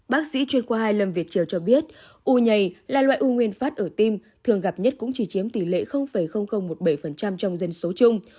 bác sĩ chuyên khoa hai lâm việt triều cho biết u nhảy là loại u nguyên phát ở tim thường gặp nhất cũng chỉ chiếm tỷ lệ một mươi bảy trong dân số chung